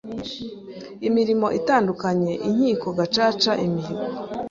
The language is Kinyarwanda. imirimo itandukanye: inkiko gacaca, imihigo